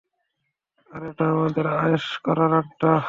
আর এটা আমাদের আয়েশ করার আড্ডা।